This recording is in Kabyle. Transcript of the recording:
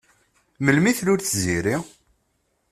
Melmi i tlul Tiziri?